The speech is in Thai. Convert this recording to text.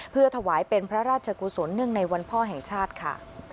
เพื่อถวายเป็นพระราชกุศลเนื่องในวันพ่อแห่งชาติค่ะ